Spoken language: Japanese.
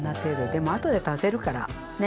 でもあとで足せるからね。